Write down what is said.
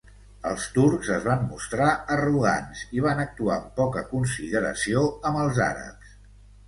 Els turcs es van mostrar arrogants i van actuar amb poca consideració amb els àrabs.